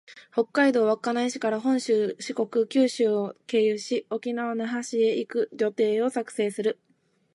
北海道稚内市から本州、四国、九州を経由して、沖縄県那覇市へ行く旅程を作成する